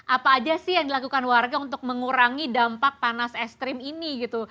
apa aja sih yang dilakukan warga untuk mengurangi dampak panas ekstrim ini gitu